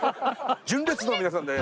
純烈の皆さんです。